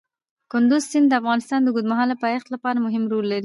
کندز سیند د افغانستان د اوږدمهاله پایښت لپاره مهم رول لري.